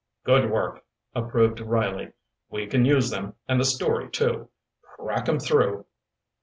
"Good work!" approved Riley. "We can use them, and the story, too. Crack 'em through."